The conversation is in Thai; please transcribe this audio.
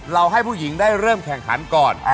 ให้ผู้หญิงได้เริ่มแข่งขันก่อน